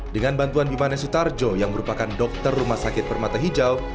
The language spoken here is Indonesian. dengan bantuan bimanes sutarjo yang merupakan dokter rumah sakit permata hijau